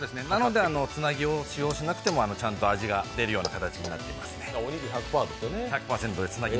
つなぎを使用しなくてもちゃんと味が出るようになってますね。